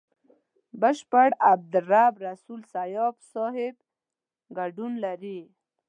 بشپړ عبدالرب رسول سياف صاحب ګډون لري.